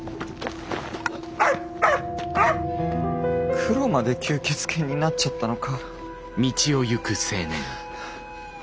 クロまで吸血犬になっちゃったのか。